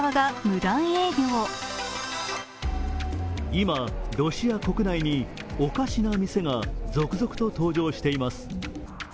今、ロシア国内におかしな店が続々と登場しています。